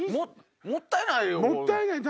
もったいないよ。